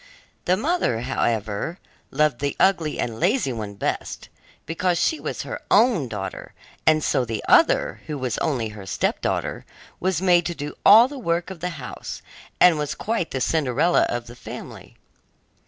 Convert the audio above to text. The mother, however, loved the ugly and lazy one best, because she was her own daughter, and so the other, who was only her stepdaughter, was made to do all the work of the house, and was quite the Cinderella of the family.